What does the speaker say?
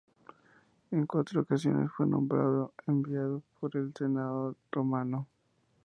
En cuatro ocasiones fue nombrado enviado por el Senado romano.